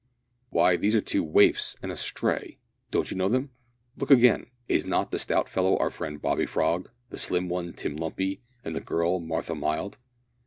Why, these are two "waifs" and a "stray!" Don't you know them? Look again. Is not the stout fellow our friend Bobby Frog, the slim one Tim Lumpy, and the girl Martha Mild?